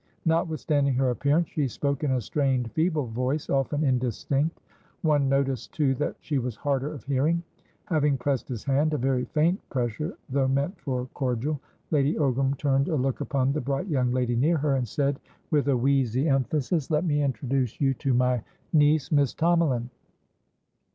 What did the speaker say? Notwithstanding her appearance she spoke in a strained, feeble voice, often indistinct; one noticed, too, that she was harder of hearing. Having pressed his handa very faint pressure, though meant for cordialLady Ogram turned a look upon the bright young lady near her, and said, with a wheezy emphasis: "Let me introduce you to my niece, Miss Tomalin."